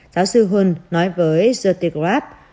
giáo sư hund nói với the telegraph